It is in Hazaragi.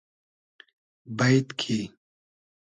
بݷد کی